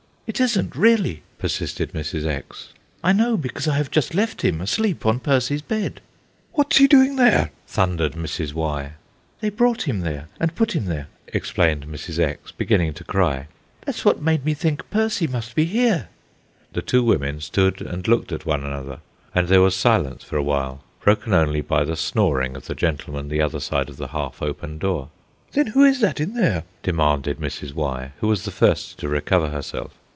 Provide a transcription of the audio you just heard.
"It isn't really," persisted Mrs. X. "I know, because I have just left him, asleep on Percy's bed." "What's he doing there?" thundered Mrs. Y. "They brought him there, and put him there," explained Mrs. X., beginning to cry. "That's what made me think Percy must be here." The two women stood and looked at one another; and there was silence for awhile, broken only by the snoring of the gentleman the other side of the half open door. "Then who is that, in there?" demanded Mrs. Y., who was the first to recover herself.